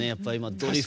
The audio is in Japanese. ドリフ